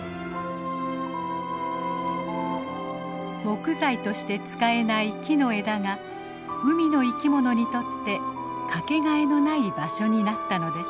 木材として使えない木の枝が海の生きものにとって掛けがえのない場所になったのです。